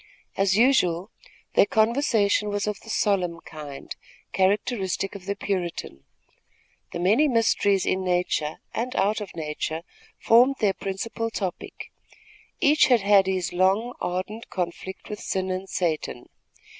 As usual, their conversation was of the solemn kind, characteristic of the Puritan. The many mysteries in nature and out of nature formed their principal topic. Each had had his long, ardent conflict with sin and Satan.